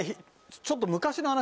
ちょっと昔の話です。